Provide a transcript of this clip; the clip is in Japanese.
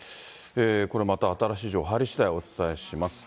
これはまた新しい情報入りしだいお伝えします。